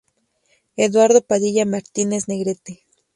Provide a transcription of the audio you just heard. Eduardo Padilla Martínez Negrete.